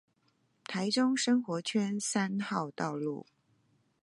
台中生活圈三號道路